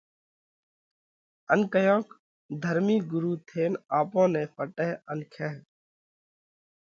ان ڪيونڪ ڌرمِي ڳرُو ٿينَ آپون نئہ ڦٽئه ان کائه۔